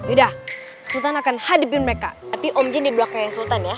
udah sultan akan hadipin mereka tapi om jin di belakangnya sultan ya